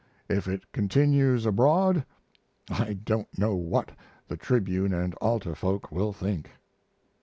If it continues abroad, I don't know what the Tribune and Alta folk will think.